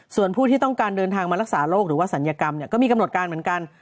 ส่วนผู้ที่ต้องการเดินทางมารักษาโรคหรือว่าศัลยกรรมก็มีกำหนดการเหมือนกัน